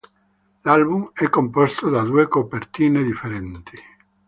L'album è composto da due copertine differenti.